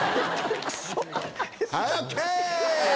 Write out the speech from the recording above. はいＯＫ！